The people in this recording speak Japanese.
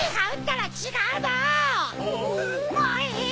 もういい！